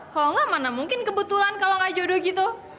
kalau enggak mana mungkin kebetulan kalau gak jodoh gitu